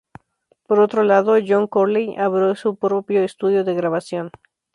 Por otro lado, John Curley abrió su propio estudio de grabación.